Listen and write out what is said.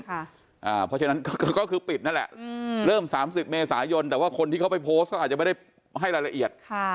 เพราะฉะนั้นก็คือปิดนั่นแหละเริ่ม๓๐เมษายนแต่ว่าคนที่เขาไปโพสต์เขาอาจจะไม่ได้ให้รายละเอียด